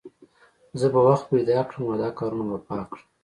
زه به وخت پیدا کړم او دا کارونه به پاک کړم